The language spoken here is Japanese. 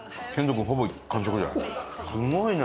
すごいな！